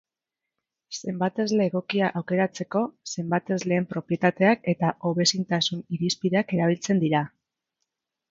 Zenbatesle egokia aukeratzeko, zenbatesleen propietateak eta hobezintasun-irizpideak erabiltzen dira.